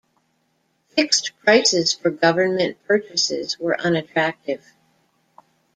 Fixed prices for government purchases were unattractive.